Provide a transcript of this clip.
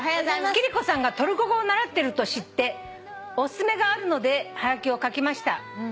「貴理子さんがトルコ語を習ってると知っておすすめがあるのではがきを書きました」